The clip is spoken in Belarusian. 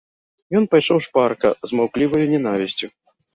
Ён пайшоў шпарка, з маўкліваю нянавісцю.